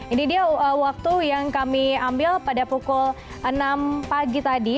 ini dia waktu yang kami ambil pada pukul enam pagi tadi